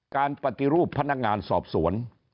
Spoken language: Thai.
การปฏิรูปพนักงานสอบสวน